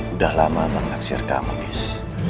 udah lama abang naksir kamu nis